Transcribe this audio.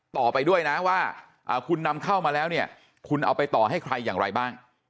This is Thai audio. ต่อไปด้วยนะว่าคุณนำเข้ามาแล้วเนี่ยคุณเอาไปต่อให้ใครอย่างไรบ้าง